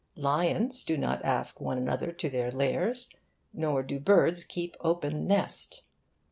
Lions do not ask one another to their lairs, nor do birds keep open nest.